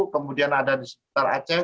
kemudian ada di sekitar aceh